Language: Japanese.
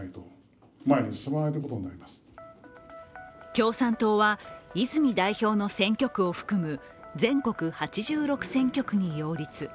共産党は泉代表の選挙区を含む全国８６選挙区に擁立。